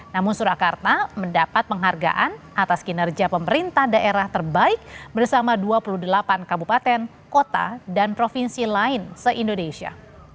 namun surakarta mendapat penghargaan atas kinerja pemerintah daerah terbaik bersama dua puluh delapan kabupaten kota dan provinsi lain se indonesia